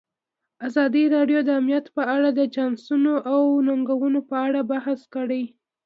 ازادي راډیو د امنیت په اړه د چانسونو او ننګونو په اړه بحث کړی.